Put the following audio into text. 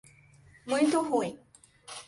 Muito ruim